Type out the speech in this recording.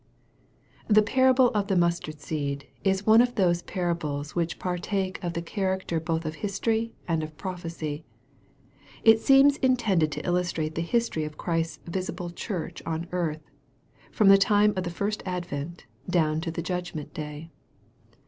THE parable of the mustard seed is one of those para bles which partake of the character both of history and prophecy. It seems intended to illustrate the history of Christ's visible church on earth, from the time of the first advent down to the judgment day.